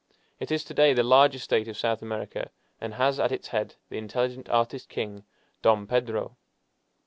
It is to day the largest state of South America, and has at its head the intelligent artist king Dom Pedro.